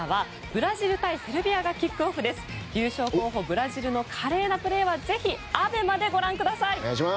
ブラジルの華麗なプレーはＡＢＥＭＡでご覧ください。